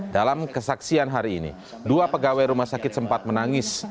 dalam kesaksian hari ini dua pegawai rumah sakit sempat menangis